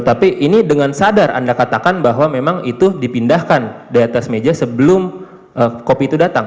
loh tapi ini dengan sadar anda katakan bahwa memang itu dipindahkan di atas meja sebelumnya